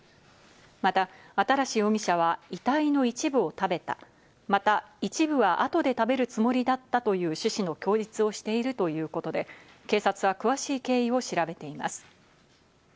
また新容疑者は遺体の一部を食べた、また一部は、後で食べるつもりだったという趣旨の供述をしているということで、警察は詳しい経緯を調べています。